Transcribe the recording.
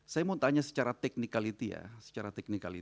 saya mau tanya secara technicality ya